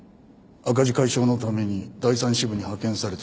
赤字解消のために第３支部に派遣された。